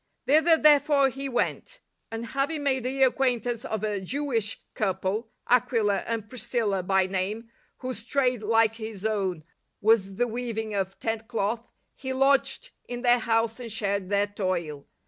Thither therefore he went; and having made the acquaintance of a Jewish couple, Aquila and Priscilla by name, whose trade, like his own, was the weaving of tent cloth, he lodged in their house and shared their toil.